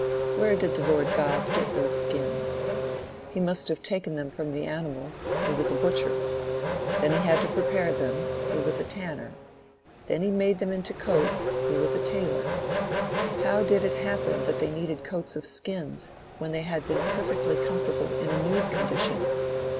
Where did the Lord God get those skins? He must have taken them from the animals; he was a butcher. Then he had to prepare them; he was a tanner. Then he made them into coats; he was a tailor. How did it happen that they needed coats of skins, when they had been perfectly comfortable in a nude condition?